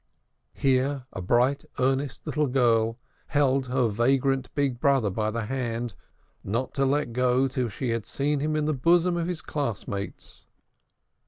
Here a bright earnest little girl held her vagrant big brother by the hand, not to let go till she had seen him in the bosom of his class mates.